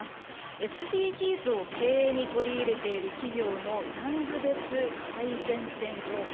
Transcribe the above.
ＳＤＧｓを経営に取り入れている企業のジャンル別最前線情報。